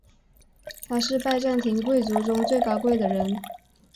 他是拜占庭贵族中最高贵的人。